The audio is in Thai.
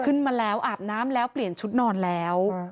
ขึ้นมาแล้วอาบน้ำแล้วเปลี่ยนชุดนอนแล้ว